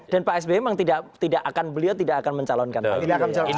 dan pak sby memang tidak akan beliau tidak akan mencalonkan pak sby